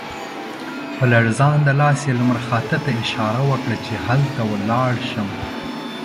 په لړزانده لاس یې لمر خاته ته اشاره وکړه چې هلته لاړ شم.